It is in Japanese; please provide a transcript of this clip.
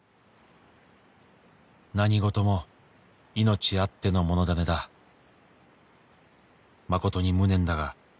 「何事も命あっての物種だ」「まことに無念だが」